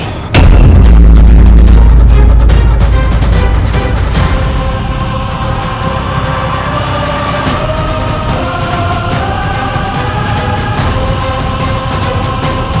sampai aku mati